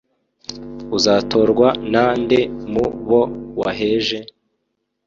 Uzatorwa na nde mu bo waheje?